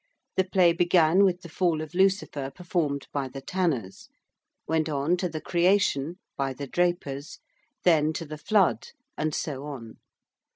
The play began with the 'Fall of Lucifer' performed by the tanners: went on to the 'Creation,' by the drapers: then to the 'Flood,' and so on.